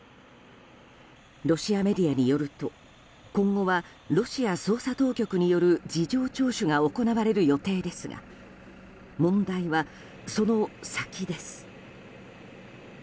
ロシアメディアによると今後は、ロシア捜査当局による事情聴取が行われる予定ですが問題はその先です。